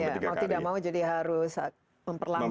jadi mau tidak mau jadi harus memperlambat ya